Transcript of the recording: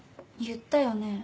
言ったよね。